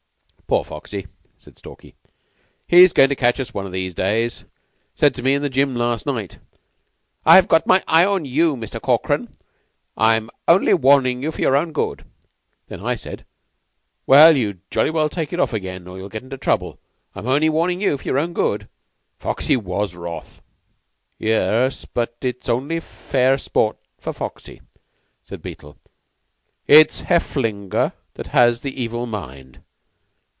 "Poor Foxy," said Stalky. "He's goin' to catch us one of these days. 'Said to me in the Gym last night, 'I've got my eye on you, Mister Corkran. I'm only warning you for your good.' Then I said: 'Well, you jolly well take it off again, or you'll get into trouble. I'm only warnin' you for your good.' Foxy was wrath." "Yes, but it's only fair sport for Foxy," said Beetle. "It's Hefflelinga that has the evil mind.